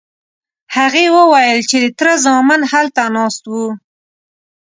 هغې وویل چې د تره زامن هلته ناست وو.